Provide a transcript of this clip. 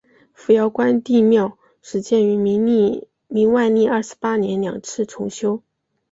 扶摇关帝庙始建于明万历二十八年两次重修。